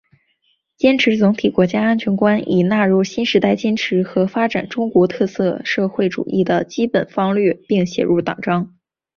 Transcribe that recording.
坚持总体国家安全观已纳入新时代坚持和发展中国特色社会主义的基本方略并写入党章